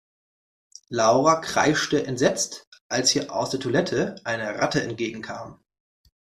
Laura kreischte entsetzt, als ihr aus der Toilette eine Ratte entgegenkam.